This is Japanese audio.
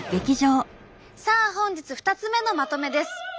さあ本日２つ目のまとめです。